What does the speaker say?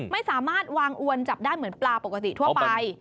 ไม่สามารถวางอวนจับได้เหมือนปลาปกติทั่วไป